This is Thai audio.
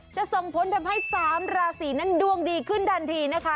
จะส่งผลทำให้๓ราศีนั้นดวงดีขึ้นทันทีนะคะ